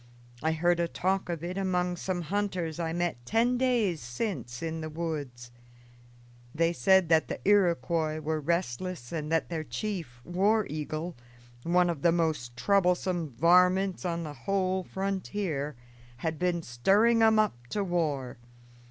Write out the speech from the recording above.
I heard a talk of it among some hunters I met ten days since in the woods. They said that the Iroquois were restless and that their chief, War Eagle, one of the most troublesome varmints on the whole frontier, had been stirring 'em up to war.